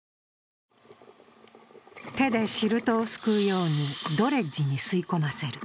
手でシルトをすくうようにドレッジに吸い込ませる。